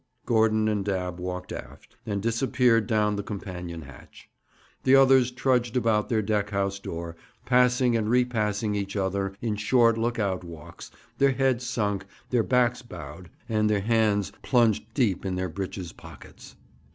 Gordon and Dabb walked aft, and disappeared down the companion hatch. The others trudged about their deck house door, passing and repassing each other in short look out walks, their heads sunk, their backs bowed, and their hands plunged deep in their breeches pockets.